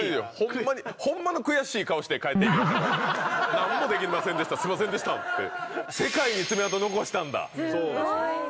何もできませんでした、すみませんでしたって。